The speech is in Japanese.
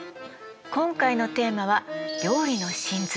今回のテーマは「料理の神髄」。